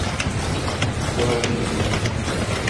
گوا تی انتھ۔